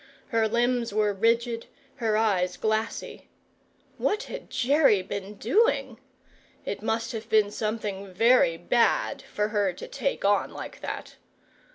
Her limbs were rigid, her eyes glassy; what had Jerry been doing? It must have been something very bad, for her to take on like that.